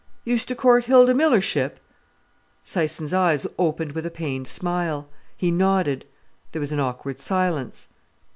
"Used to court Hilda Millership?" Syson's eyes opened with a pained smile. He nodded. There was an awkward silence.